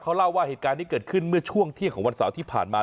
เขาเล่าว่าเหตุการณ์นี้เกิดขึ้นเมื่อช่วงเที่ยงของวันเสาร์ที่ผ่านมา